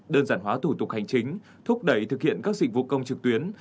đơn giản hóa thủ tục hành chính thúc đẩy thực hiện các dịch vụ công trực tuyến